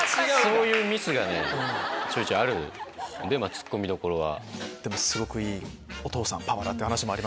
そういうミスがちょいちょいあるんでツッコミどころは。